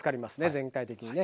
全体的にね。